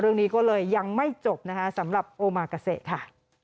เรื่องนี้ก็เลยยังไม่จบนะคะสำหรับโอมากาเซค่ะ